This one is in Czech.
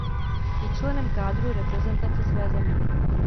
Je členem kádru reprezentace své země.